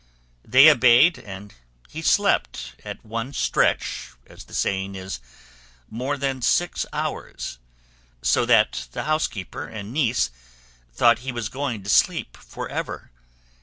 They obeyed, and he slept at one stretch, as the saying is, more than six hours, so that the housekeeper and niece thought he was going to sleep for ever.